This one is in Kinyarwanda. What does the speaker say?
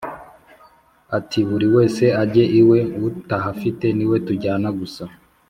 ati"buriwese ajye iwe uwutahafite niwe tujyana gusa "